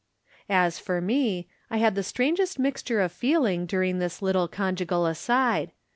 As for me, I had the strangest mixture of feel ing during this little conjugal aside.